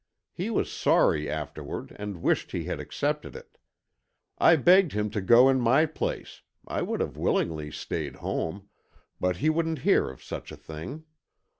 He was sorry afterward and wished he had accepted it. I begged him to go in my place, I would have willingly stayed home, but he wouldn't hear of such a thing.